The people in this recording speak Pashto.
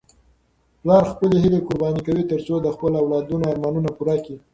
پلار خپلې هیلې قرباني کوي ترڅو د خپلو اولادونو ارمانونه پوره کړي.